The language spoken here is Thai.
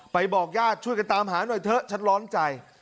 บอกญาติช่วยกันตามหาหน่อยเถอะฉันร้อนใจ